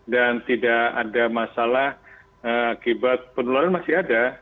dan tidak ada masalah akibat penularan masih ada